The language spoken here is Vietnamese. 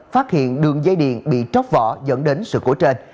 phát hiện đường dây điện bị chóc vỏ dẫn đến sự cố trên